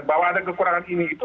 bahwa ada kekurangan ini itu